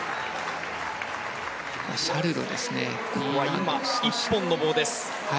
今、１本の棒です。